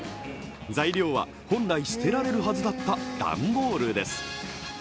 材料は本来捨てられるはずだった段ボールです。